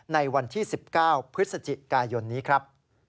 ในวันที่๑๙พฤศจิกายนนี้ครับ